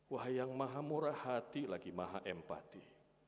wah yang maha murah hati lagi maha empati